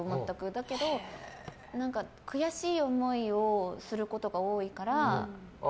だけど、悔しい思いをすることが多いから。